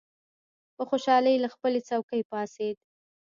په خوشالۍ له خپلې څوکۍ پاڅېد.